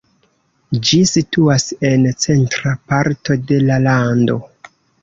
Ĝi situas en centra parto de la lando.